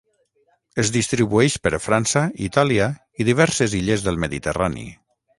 Es distribueix per França, Itàlia, i diverses illes del Mediterrani.